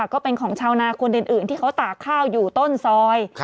ก็เป็นของชาวนาคนอื่นที่เขาตากข้าวอยู่ต้นซอย